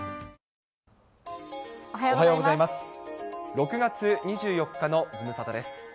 ６月２４日のズムサタです。